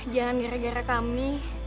jangan gara gara kami